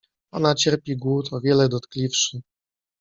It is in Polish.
Ona cierpi głód o wiele dotkliwszy.